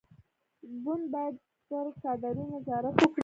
ګوند باید پر کادرونو نظارت وکړي.